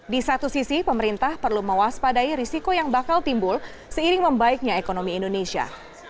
di satu sisi pemerintah perlu mewaspadai risiko yang bakal timbul seiring membaiknya ekonomi indonesia